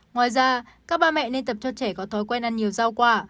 ngoài ra các bà mẹ nên tập cho trẻ có thói quen ăn nhiều rau quả